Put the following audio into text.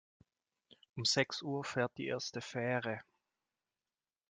Um sechs Uhr fährt die erste Fähre.